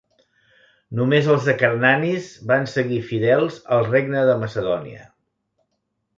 Només els acarnanis van seguir fidels al Regne de Macedònia.